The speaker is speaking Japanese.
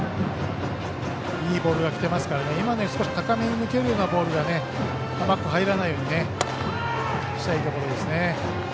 いいボールが来てますから少し高めに抜けるようなボールが甘く入らないようにしたいところですね。